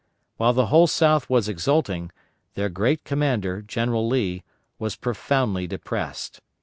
While the whole South was exulting, their great commander, General Lee, was profoundly depressed.